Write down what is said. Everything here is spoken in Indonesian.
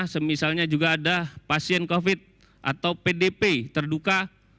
semisalnya juga ada pasien covid atau pdp terduka